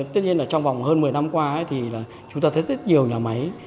tất nhiên là trong vòng hơn một mươi năm qua thì chúng ta thấy rất nhiều nhà máy